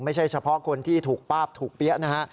ไม่ใช่เฉพาะคนที่ถูกป้าบถูกเปี๊ยะนะฮะ